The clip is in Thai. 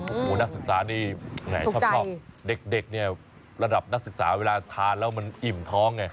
โอ้โหนักศึกษานี่แหมชอบเด็กเนี่ยระดับนักศึกษาเวลาทานแล้วมันอิ่มท้องไง